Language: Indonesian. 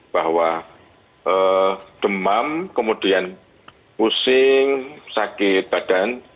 bahwa demam kemudian pusing sakit badan